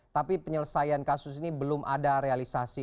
tapi penyelesaian kasus ini belum ada realisasi